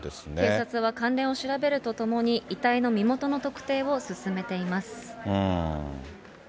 警察は関連を調べるとともに、遺体の身元の特定を進めています。